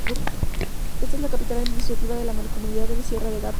Es la capital administrativa de la mancomunidad de sierra de Gata.